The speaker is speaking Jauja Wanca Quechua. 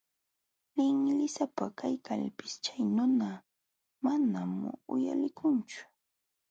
Linlisapa kaykalpis chay nuna manam uyalikunchu.